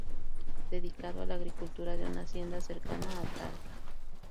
Dedicado a la agricultura de una hacienda cercana a Talca.